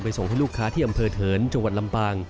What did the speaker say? ส่งให้ลูกค้าที่อำเภอเถินจังหวัดลำปาง